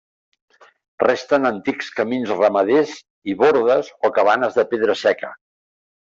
Resten antics camins ramaders i bordes o cabanes de pedra seca.